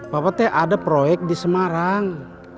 papa ada proyek di semarang